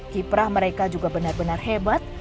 kiprah mereka juga benar benar hebat